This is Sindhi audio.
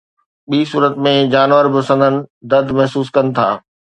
ٻي صورت ۾ جانور به سندن درد محسوس ڪن ٿا.